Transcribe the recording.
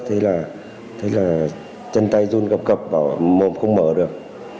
thấy là chân tay run cập cập bảo mồm không mở được